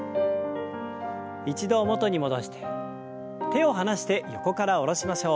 一度元に戻して手を離して横から下ろしましょう。